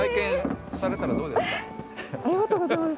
ありがとうございます。